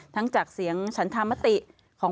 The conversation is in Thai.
ทั้งจากเสียงชั้นทาง